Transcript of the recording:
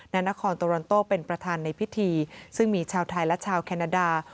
นครโตรันโตเป็นประธานในพิธีซึ่งมีชาวไทยและชาวแคนาดา